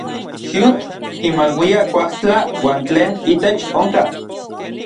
Xiutl kimaluia kuajtla uan tlen itech onka.